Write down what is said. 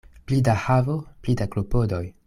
Pli da havo, pli da klopodoj.